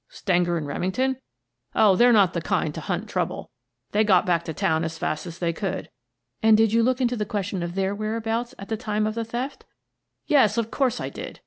"" Stenger and Remington? Oh, they're not the kind to hunt trouble. They got back to town as fast as they could." " And did you look into the question of their whereabouts at the time of the theft? "" Yes, of course, I did.